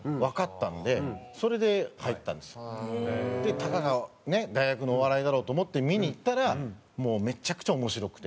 たかが大学のお笑いだろうと思って見に行ったらもうめちゃくちゃ面白くて。